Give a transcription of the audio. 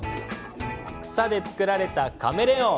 草で作られたカメレオン。